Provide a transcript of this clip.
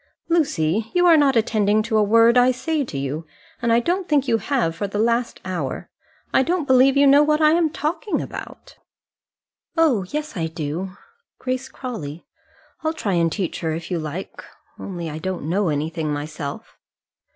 "Lucy, you are not attending to a word I say to you, and I don't think you have for the last hour. I don't believe you know what I am talking about." "Oh, yes, I do Grace Crawley; I'll try and teach her if you like, only I don't know anything myself."